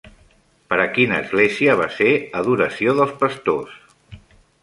Per a quina església va ser Adoració dels pastors?